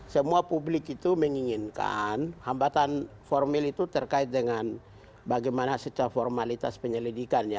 semua publik itu menginginkan hambatan formil itu terkait dengan bagaimana secara formalitas penyelidikannya